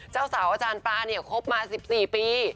เจ้าสาวอาจารย์ปลาเนี่ยคบมา๑๔ปี